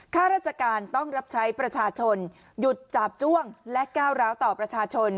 ข้าราชการต้องรับใช้ประชาชนหยุดจาบจ้วงและก้าวร้าวต่อประชาชน